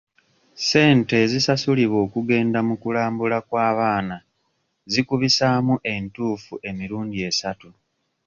Ssente ezisasulibwa okugenda mu kulambula kw'abaana zikubisaamu entuufu emirundi esatu.